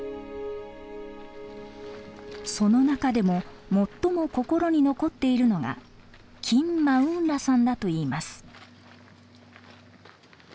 その中でも最も心に残っているのがキン・マウン・ラさんだといいます。